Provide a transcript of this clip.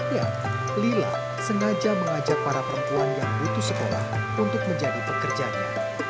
ya lila sengaja mengajak para perempuan yang putus sekolah untuk menjadi pekerjanya